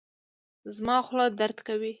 زما خوله درد کوي